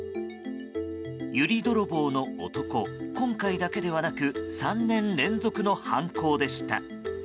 ユリ泥棒の男、今回だけではなく３年連続の犯行でした。